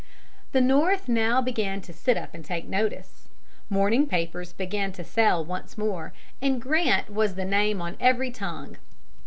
The North now began to sit up and take notice. Morning papers began to sell once more, and Grant was the name on every tongue.